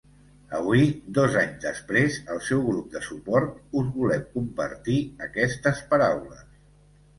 Avui, dos anys després, el seu grup de suport us volem compartir aquestes paraules.